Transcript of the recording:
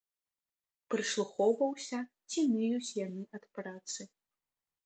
Прыслухоўваўся, ці ныюць яны ад працы.